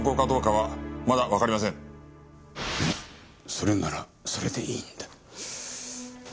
それならそれでいいんだ。